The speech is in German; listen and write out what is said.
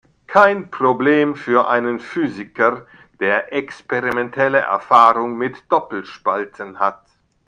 Kein Problem für einen Physiker, der experimentelle Erfahrung mit Doppelspalten hat.